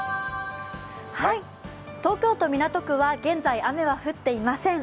東京都港区は現在、雨は降っていません。